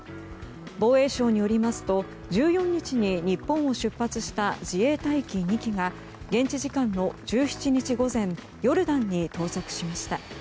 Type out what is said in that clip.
防衛省によりますと１４日に日本を出発した自衛隊機２機が現地時間の１７日午前ヨルダンに到着しました。